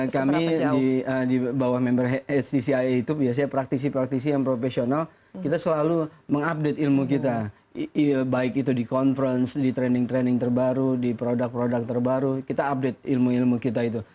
kami di bawah member hdcia itu biasanya praktisi praktisi yang profesional kita selalu mengupdate ilmu kita baik itu di conference di training training terbaru di produk produk terbaru kita update ilmu ilmu kita itu